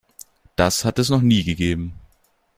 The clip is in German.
Das hat es noch nie gegeben.